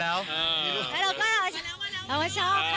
แล้วเราก็เราชอบเขา